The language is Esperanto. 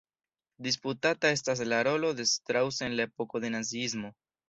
Disputata estas la rolo de Strauss en la epoko de naziismo.